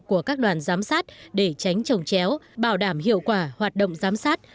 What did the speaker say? của các đoàn giám sát để tránh trồng chéo bảo đảm hiệu quả hoạt động giám sát